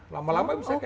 lama lama bisa cancer